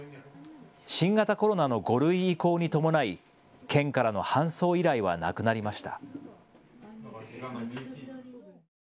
新型コロナの５類移行に伴い県からの搬送依頼はなくなりました。